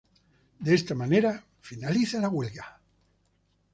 De esta manera, finaliza la huelga.